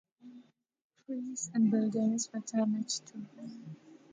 Trees and buildings were damaged too.